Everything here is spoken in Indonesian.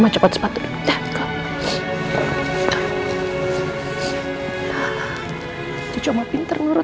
jujur sama pinter ya mama